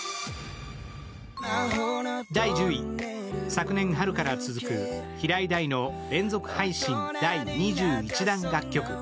昨年春から続く平井大の連続配信第２１弾楽曲。